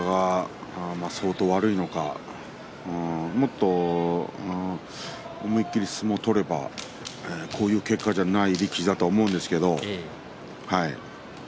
左の膝が相当悪いのかもっと思い切り相撲を取ればこういう結果じゃない力士だと思うんですけど。